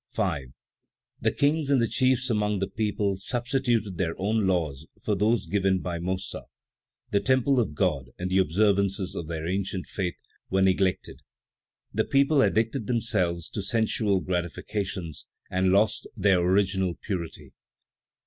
5. The kings and the chiefs among the people substituted their own laws for those given by Mossa; the temple of God and the observances of their ancient faith were neglected; the people addicted themselves to sensual gratifications and lost their original purity.